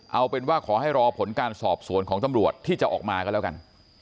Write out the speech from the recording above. เอาเป็นว่าขอให้รอผลการสอบสวนของตำรวจที่จะออกมาก็แล้วกัน